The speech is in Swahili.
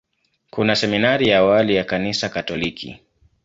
Kuna seminari ya awali ya Kanisa Katoliki.